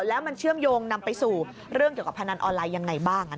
แล้วมันเชื่อมโยงนำไปสู่เรื่องเกี่ยวกับพนันออนไลน์ยังไงบ้าง